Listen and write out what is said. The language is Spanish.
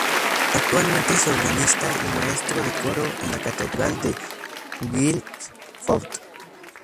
Actualmente es Organista y Maestro de Coro en la catedral de Guildford.